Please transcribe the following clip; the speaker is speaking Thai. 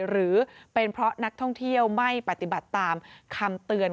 หรือเป็นเพราะนักท่องเที่ยวไม่ปฏิบัติตามคำเตือน